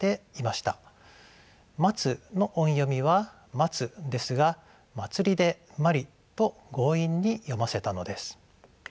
「茉」の音読みは「マツ」ですが「茉莉」で「マリ」と強引に読ませたのです。